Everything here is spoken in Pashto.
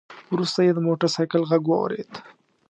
وروسته يې د موټر سايکل غږ واورېد.